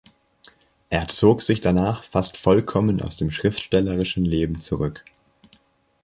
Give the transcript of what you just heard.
Er zog sich danach fast vollkommen aus dem schriftstellerischen Leben zurück.